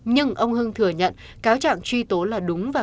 nhưng ông hưng thừa nhận cáo trạng truy tố là đúng và